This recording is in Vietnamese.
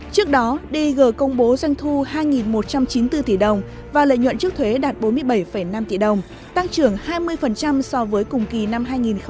trước đó dg công bố doanh thu hai một trăm chín mươi bốn tỷ đồng và lợi nhuận trước thuế đạt bốn mươi bảy năm tỷ đồng tăng trưởng hai mươi so với cùng kỳ năm hai nghìn một mươi tám